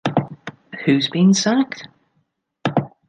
Who's been sacked?